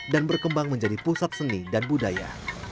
dan berkembang menjadi pusat seni dan budaya